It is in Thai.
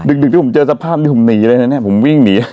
ดึกที่ผมเจอสภาพผมหนีเลยผมวิ่งหนี